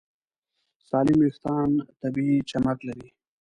سالم وېښتيان طبیعي چمک لري.